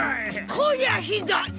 こりゃひどい。